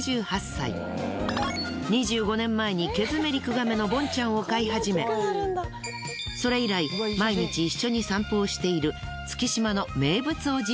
２５年前にケヅメリクガメのボンちゃんを飼い始めそれ以来毎日一緒に散歩をしている。